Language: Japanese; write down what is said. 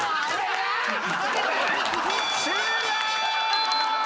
終了！